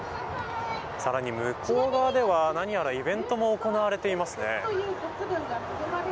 さらに向こう側では、何やらイベントも行われていますね。